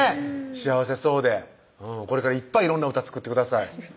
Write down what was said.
幸せそうでこれからいっぱい色んな歌作ってください